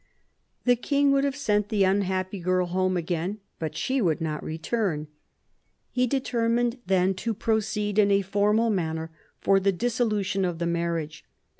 The king would have sent the unhappy girl home vi PHILIP AND THE PAPACY 163 again, but she would not return. He determined then to proceed in a formal manner for the dissolution of the marriage.